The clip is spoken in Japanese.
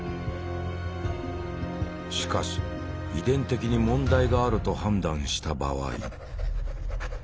しかし遺伝的に問題があると判断した場合。